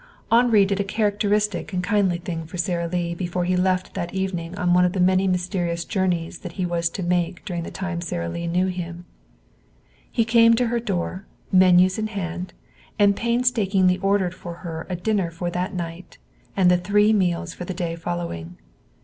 Henri did a characteristic and kindly thing for Sara Lee before he left that evening on one of the many mysterious journeys that he was to make during the time Sara Lee knew him. He came to her door, menus in hand, and painstakingly ordered for her a dinner for that night, and the three meals for the day following.